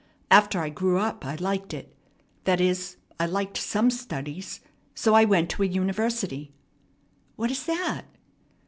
After I grew up I liked it. That is, I liked some studies; so I went to a university." "What is that?"